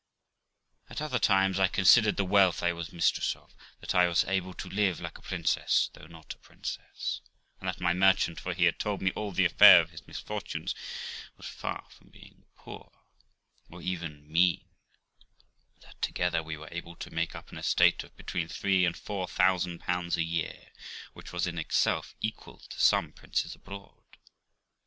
At other times, I considered the wealth I was mistress of; that I was able to live like a princess, though not a princess ; and that my merchant (for he had told me all the affair of his misfortunes) was far from being poor, or even mean; that together we were able to make up an estate of between three and four thousand pounds a year, which was in itself equal to some princes abroad.